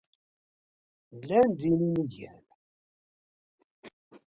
Llan din yinagan.